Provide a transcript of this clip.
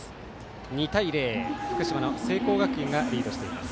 ２対０、福島の聖光学院がリードしています。